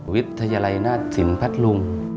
วิทยาลัยหน้าสินพัทธลุง